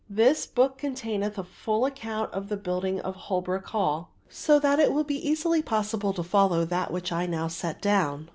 This book containeth a full account of the building of Holwick Hall; so that it will be easily possible to follow that which I now set down.